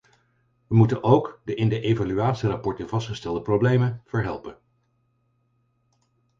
We moeten ook de in de evaluatierapporten vastgestelde problemen verhelpen.